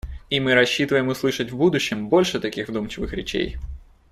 И мы рассчитываем услышать в будущем больше таких вдумчивых речей.